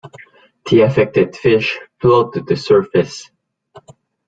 The affected fish float to the surface.